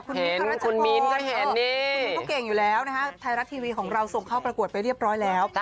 คุณมินทรัศจักรคุณเขาเก่งอยู่แล้วนะฮะไทยรัฐทีวีของเราส่งเข้าประกวดไปเรียบร้อยแล้ว